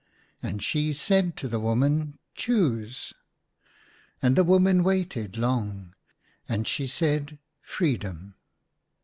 And she said to the woman, " Choose !" And the woman waited long : and she said, " Freedom